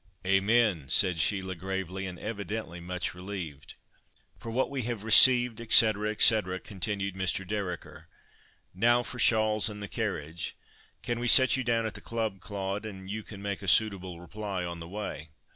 '" "Amen!" said Sheila, gravely, and evidently much relieved. "For what we have received, etc., etc.," continued Mr. Dereker. "Now for shawls and the carriage. Can we set you down at the club, Claude? And you can make a suitable reply on the way."